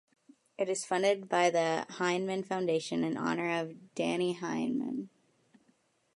It is funded by the Heineman Foundation in honour of Dannie Heineman.